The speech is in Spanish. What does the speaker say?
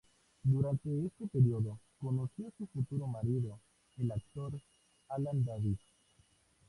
Durante este período, conoció a su futuro marido, el actor Alan Davis.